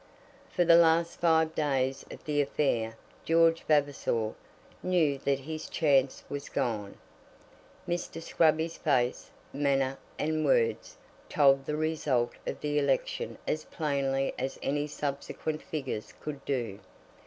For the last five days of the affair George Vavasor knew that his chance was gone. Mr. Scruby's face, manner, and words, told the result of the election as plainly as any subsequent figures could do.